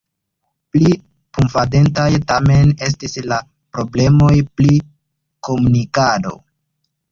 Pli fundamentaj tamen estis la problemoj pri komunikado.